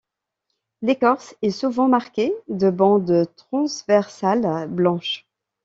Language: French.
L'écorce est souvent marquée de bandes transversales blanches.